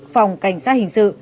phòng cảnh sát hình sự